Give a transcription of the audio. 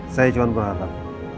saya cuma merahatat